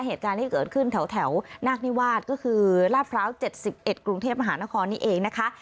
เหตุการณ์ที่เกิดขึ้นแถวนาคนิวาสก็คือลาดพร้าว๗๑กรุงเทพมหานครนี่เองนะคะ